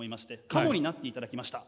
カモになっていただきました。